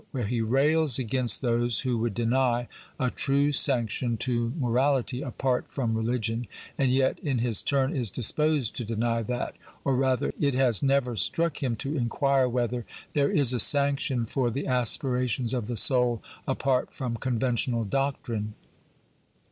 where he rails against those who would deny a true sanction to morality apart from re ligion, and yet in his turn is disposed to deny that — or rather it has never struck him to inquire whether — there is a sanction for the aspirations of the soul apart from conven tional doctrine.